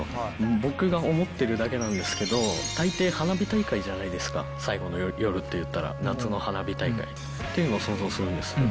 僕が思ってるだけなんですけど、たいてい、花火大会じゃないですか、最後の夜っていったら、夏の花火大会というのを想像するんですね。